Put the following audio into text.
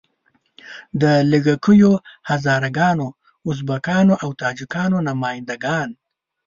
د لږه کیو هزاره ګانو، ازبکانو او تاجیکانو نماینده ګان.